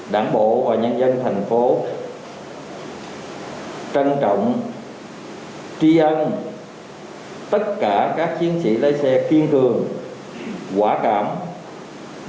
đảng bộ và nhân dân thành phố trân trọng tri ân tất cả các chiến sĩ lấy xe kiên cường quả cảm đã cống hiến